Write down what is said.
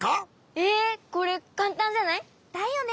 ええ！これかんたんじゃない？だよね！